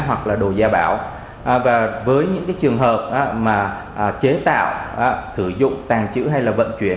hoặc đồ gia bảo với những trường hợp chế tạo sử dụng tàn trữ hay vận chuyển